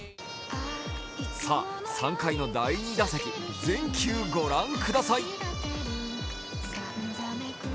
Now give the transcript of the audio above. さあ３回の第２打席全球御覧ください。